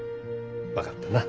分かったな？